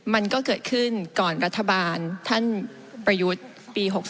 มันก็เกิดขึ้นก่อนรัฐบาลท่านประยุทธ์ปี๖๒